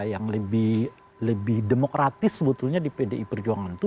yang lebih demokratis sebetulnya di pdi perjuangan itu